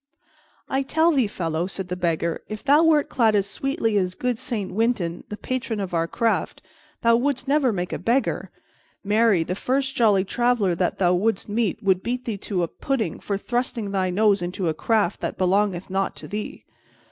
"I tell thee, fellow," said the Beggar, "if thou wert clad as sweetly as good Saint Wynten, the patron of our craft, thou wouldst never make a beggar. Marry, the first jolly traveler that thou wouldst meet would beat thee to a pudding for thrusting thy nose into a craft that belongeth not to thee."